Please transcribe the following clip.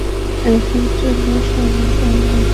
এখন চলো তাহলে?